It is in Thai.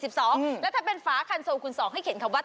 สิบสองอืมแล้วถ้าเป็นฝาคันโซคุณสองให้เข็นคำว่า